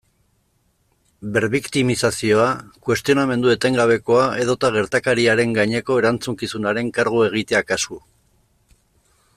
Berbiktimizazioa, kuestionamendu etengabekoa edota gertakariaren gaineko erantzukizunaren kargu egitea kasu.